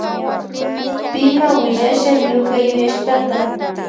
Pima willasha ñuka yuyashkata.